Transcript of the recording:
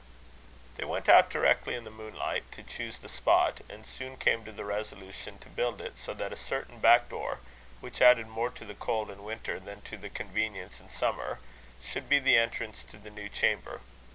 They went out directly, in the moonlight, to choose the spot; and soon came to the resolution to build it so, that a certain back door, which added more to the cold in winter than to the convenience in summer, should be the entrance to the new chamber.